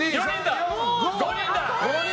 ５人だ！